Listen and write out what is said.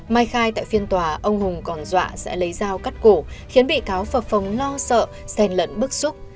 mai khai tại phiên tòa ông hùng còn dọa sẽ lấy dao cắt cổ khiến bị cáo phập phóng lo sợ sèn lẫn bức xúc